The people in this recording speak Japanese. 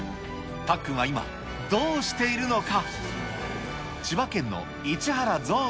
たっくんは今、どうしているのか。